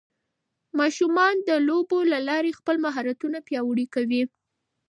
ماشومان د لوبو له لارې خپل مهارتونه پیاوړي کوي.